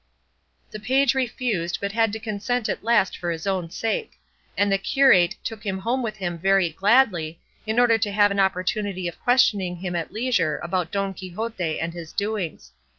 The page refused, but had to consent at last for his own sake; and the curate took him home with him very gladly, in order to have an opportunity of questioning him at leisure about Don Quixote and his doings.